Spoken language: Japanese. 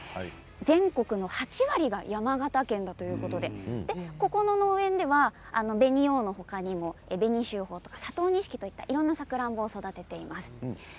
全国の８割が山形県だということでここの農園では紅王の他にも紅秀峰など佐藤錦、いろんなものを育てています。